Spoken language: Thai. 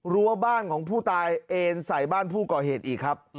รั้วบ้านของผู้ตายเอ็นใส่บ้านผู้ก่อเหตุอีกครับ